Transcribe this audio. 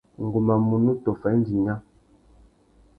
Ngu má munú tôffa indi nya.